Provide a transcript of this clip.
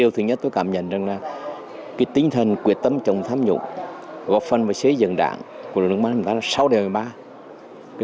thứ nhất tôi cảm nhận là tính thần quyết tâm chống tham nhũng góp phần với xây dựng đảng của đồng chí bộ trưởng là sáu đề một mươi ba